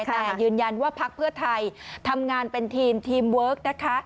แต่ยืนยันว่าพักเพื่อไทยทำงานเป็นทีมทีมเวิร์คนะคะ